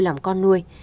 làm con nuôi